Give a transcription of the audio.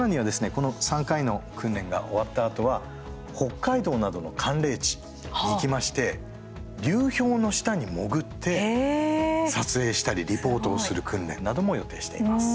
この３回の訓練が終わったあとは北海道などの寒冷地に行きまして流氷の下に潜って撮影したりリポートをする訓練なども予定しています。